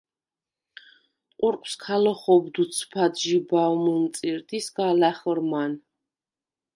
ყურყვს ქა ლოხობდ უცბად ჟიბავ მჷნწირდ ი ისგა ლა̈ხჷრმან.